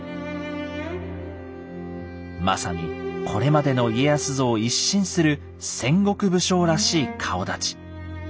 まさにこれまでの家康像を一新する戦国武将らしい顔だち。